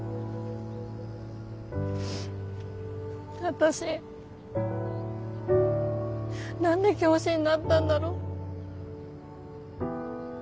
私何で教師になったんだろう。